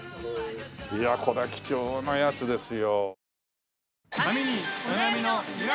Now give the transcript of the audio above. いやこれは貴重なやつですよ。